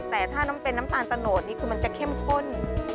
แต่ถ้าน้ำเป็นน้ำตาลตะโนดนี่คือมันจะเข้มข้น